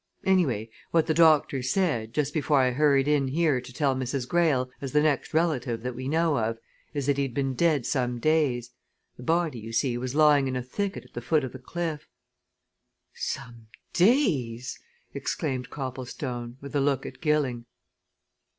Anyway, what the doctor said, just before I hurried in here to tell Mrs. Greyle, as the next relative that we know of, is that he'd been dead some days the body, you see, was lying in a thicket at the foot of the cliff." "Some days!" exclaimed Copplestone, with a look at Gilling.